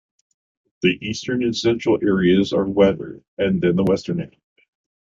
The eastern and central areas are wetter than the western end.